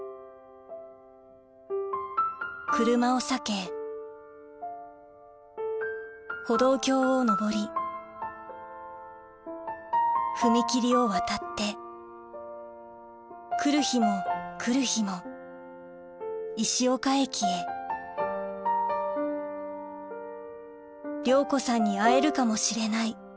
車を避け歩道橋を上り踏切を渡って来る日も来る日も石岡駅へ「亮子さんに会えるかもしれない」